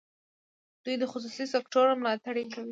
دوی د خصوصي سکټور ملاتړ کوي.